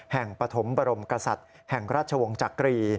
ปฐมบรมกษัตริย์แห่งราชวงศ์จักรี